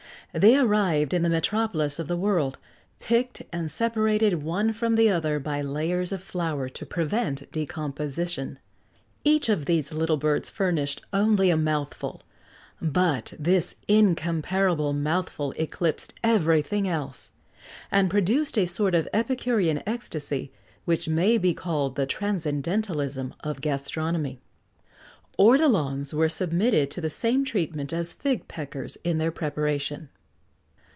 [XX 76] They arrived in the metropolis of the world, picked and separated one from the other by layers of flour to prevent decomposition.[XX 77] Each of these little birds furnished only a mouthful; but this incomparable mouthful eclipsed everything else, and produced a sort of epicurean extacy which may be called the transcendantalism of gastronomy. Ortolans were submitted to the same treatment as fig peckers in their preparation.